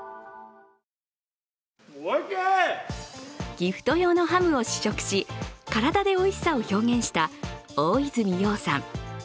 ギフト用のハムを試食し、体でおいしさを表現した大泉洋さん。